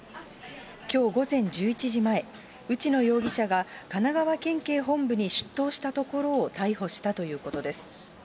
きょう午前１１時前、内野容疑者が神奈川県警本部に出頭したところを逮捕したということです。